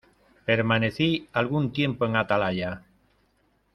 permanecí algún tiempo en atalaya.